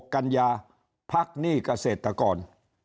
๒๖กัณหญ่ภักดิ์หนี้เกษตรกร